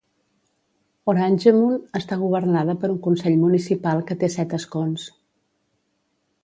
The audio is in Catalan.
Oranjemund està governada per un consell municipal que té set escons.